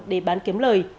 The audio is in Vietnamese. để bán kiếm lời